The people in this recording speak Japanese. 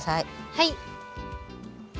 はい。